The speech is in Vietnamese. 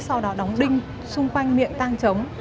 sau đó đóng đinh xung quanh miệng tang trống